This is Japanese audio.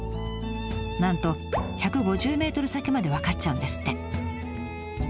なんと１５０ｍ先まで分かっちゃうんですって。